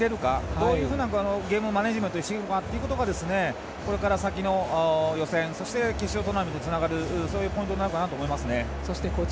どういうふうなゲームマネージメントにできるかがこれから先の予選そして決勝トーナメントにつながるポイントになるかなと思います。